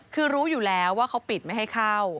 คือรู้อยู่แล้วว่าเขาปิดไม่ให้เข้า